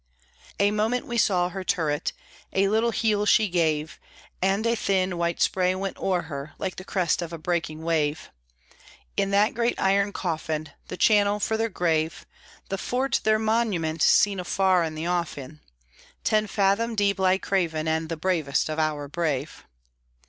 A moment we saw her turret, A little heel she gave, And a thin white spray went o'er her, Like the crest of a breaking wave; In that great iron coffin, The channel for their grave, The fort their monument (Seen afar in the offing), Ten fathom deep lie Craven And the bravest of our brave.